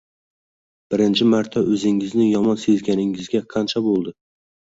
Birinchi marta о’zingizni yomon sezganingizga qancha bo’ldi?